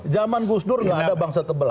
zaman gusdur nggak ada bangsa terbelah